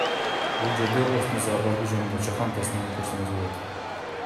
Бул жерден Оштун зоопаркы жөнүндө чакан тасманы көрсөңүз болот